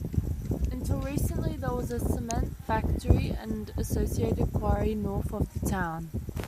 Until recently there was a cement factory and associated quarry north of the town.